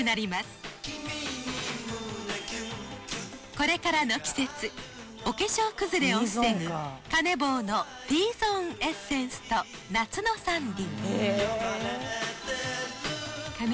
これからの季節お化粧崩れを防ぐカネボウのＴゾーンエッセンスと夏のサンデュー。